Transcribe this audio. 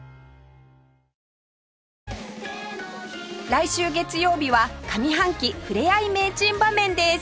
来週月曜日は上半期ふれあい名珍場面です